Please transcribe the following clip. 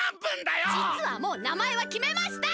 じつはもう名前はきめました！